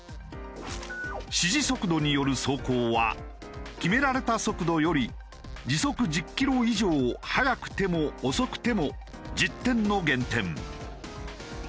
指示速度による走行は決められた速度より時速１０キロ以上速くても遅くても１０点の減点。